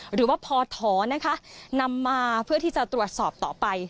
หรือว่าพอถอนะคะนำมาเพื่อที่จะตรวจสอบต่อไป